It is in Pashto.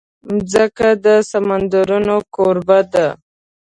مځکه د سمندرونو کوربه ده.